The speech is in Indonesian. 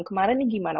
kemarin nih gimana